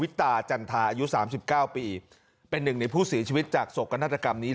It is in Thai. ตาจันทาอายุ๓๙ปีเป็นหนึ่งในผู้เสียชีวิตจากโศกนาฏกรรมนี้